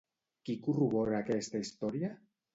Qui corrobora aquesta història?